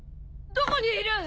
どこにいる？